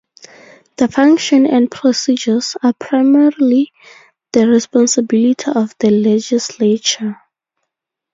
The function and procedures are primarily the responsibility of the legislature.